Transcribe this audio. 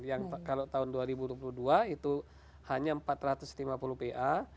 yang kalau tahun dua ribu dua puluh dua itu hanya empat ratus lima puluh pa